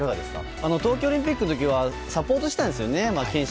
東京オリンピックの時はサポートしてたんですよね。